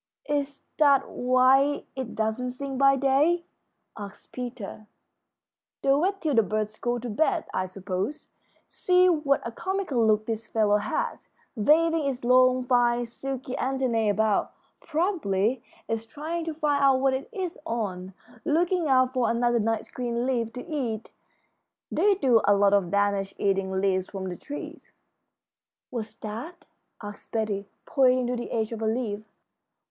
"Is that why it doesn't sing by day?" asked Peter. "They wait till the birds go to bed, I suppose. See what a comical look this fellow has, waving its long, fine, silky antennæ about. Probably it's trying to find out what it is on, looking out for another nice green leaf to eat. They do a lot of damage eating leaves from the trees." "What's that?" asked Betty, pointing to the edge of a leaf.